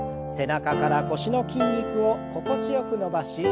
背中から腰の筋肉を心地よく伸ばし